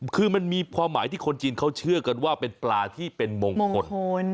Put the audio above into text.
คือมันมีความหมายที่คนจีนเขาเชื่อกันว่าเป็นปลาที่เป็นมงคล